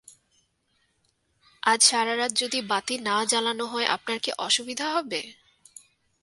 আজ সারা রাত যদি বাতি না জ্বালানো হয় আপনার কি অসুবিধা হবে?